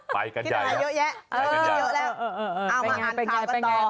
ไปกันเยอะแล้วเอามาอ่านข่าวกันต่อเป็นอย่างไร